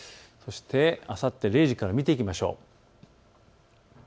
あさって０時から見ていきましょう。